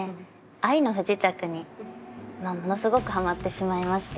「愛の不時着」にものすごくハマってしまいまして。